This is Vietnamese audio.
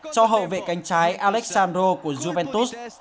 cho hậu vệ canh trái alexandro của juventus